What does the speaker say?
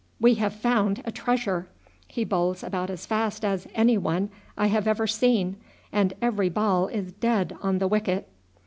"We have found a treasure. He bowls about as fast as any one I have ever seen, and every ball is dead on the wicket."